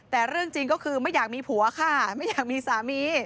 แต่เรื่องจริงก็คือไม่อยากมีผัวค่ะไม่อยากมีสามี